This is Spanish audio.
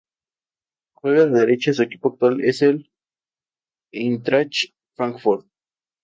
En contraste, los bienes privados tendrían responsables específicos a cargo de su mantenimiento.